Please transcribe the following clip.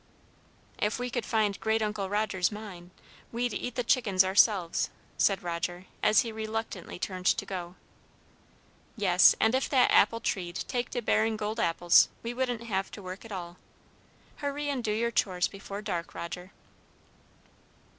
"If we could find Great uncle Roger's mine, we'd eat the chickens ourselves," said Roger, as he reluctantly turned to go. "Yes, and if that apple tree'd take to bearing gold apples, we wouldn't have to work at all. Hurry and do your chores before dark, Roger."